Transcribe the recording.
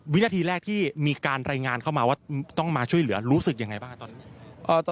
วินาทีแรกที่มีการรายงานเข้ามาว่าต้องมาช่วยเหลือรู้สึกยังไงบ้างตอนนี้